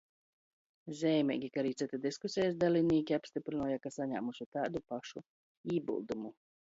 Zeimeigi, ka ari cyti diskusejis dalinīki apstyprynuoja, ka sanāmuši taidu pošu ībyldumu.